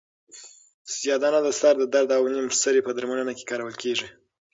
سیاه دانه د سر د درد او نیم سری په درملنه کې کارول کیږي.